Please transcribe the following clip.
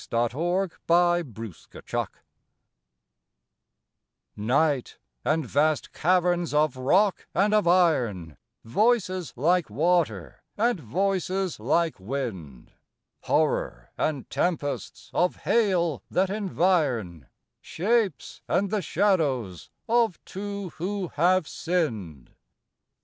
TRISTRAM AND ISOLT Night, and vast caverns of rock and of iron: Voices like water, and voices like wind: Horror, and tempests of hail that environ Shapes and the shadows of two who have sinned.